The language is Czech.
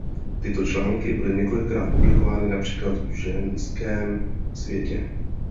Tyto články byly několikrát publikovány například v Ženském světě.